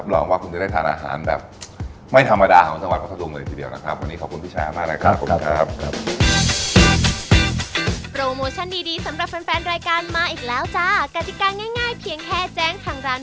รองว่าคุณจะได้ทานอาหารแบบไม่ธรรมดาของจังหวัดพัทธรุงเลยทีเดียวนะครับ